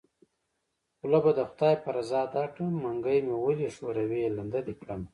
خوله به د خدای په رضا درکړم منګۍ مې ولی ښوروی لنده دې کړمه